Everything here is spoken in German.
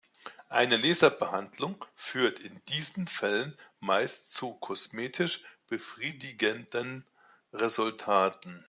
Eine Laserbehandlung führt in diesen Fällen meist zu kosmetisch befriedigenden Resultaten.